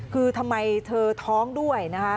คือทำไมเธอท้องด้วย